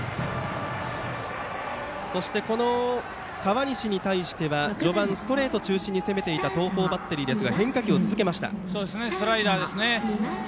そして、この河西に対しては序盤、ストレート中心に攻めていた東邦バッテリーですがスライダーですね。